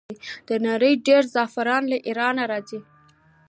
د نړۍ ډیری زعفران له ایران راځي.